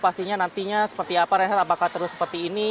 seperti apa renhardt apakah terus seperti ini